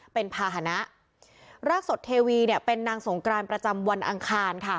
เป็นภาษณะรากสดเทวีเนี่ยเป็นนางสงกรานประจำวันอังคารค่ะ